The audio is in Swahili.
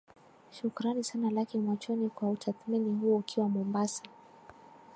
shukrani sana laki mwachoni kwa utathmini huo ukiwa mombasa